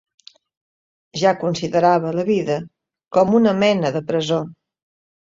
Ja considerava la vida com una mena de presó